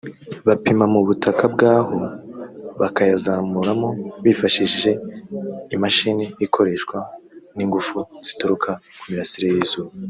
bapima mu butaka bwaho bakayazamuramo bifashishije imashini ikoreshwa n’ingufu zituruka ku mirasire y’izuba